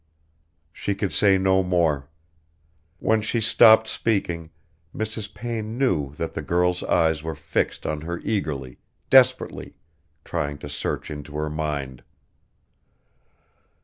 She could say no more. When she stopped speaking Mrs. Payne knew that the girl's eyes were fixed on her eagerly, desperately, trying to search into her mind.